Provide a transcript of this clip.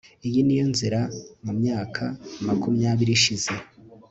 iyi niyo nzira mumyaka makumyabiri ishize